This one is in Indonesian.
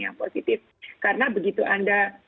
yang positif karena begitu anda